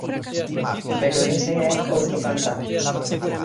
Pero ese é outro cantar.